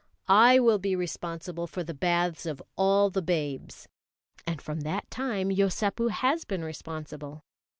"I will be responsible for the baths of all the babes." And from that time Yosépu has been responsible.